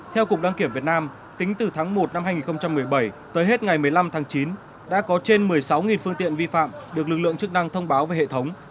theo cục đăng kiểm việt nam tính từ tháng một năm hai nghìn một mươi bảy tới hết ngày một mươi năm tháng chín đã có trên một mươi sáu phương tiện vi phạm được lực lượng chức năng thông báo về hệ thống